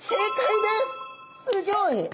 すギョい。